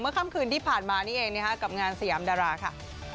ค่ำคืนที่ผ่านมานี่เองนะคะกับงานสยามดาราค่ะ